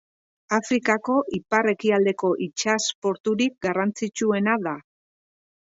Afrikako ipar-ekialdeko itsas-porturik garrantzitsuena da.